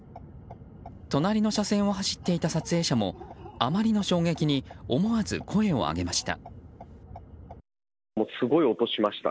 隣の車線を走っていた撮影者もあまりの衝撃に思わず声を上げました。